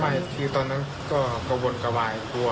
ที่ตอนนั้นก็กระวนกระวายกลัว